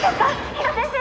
比奈先生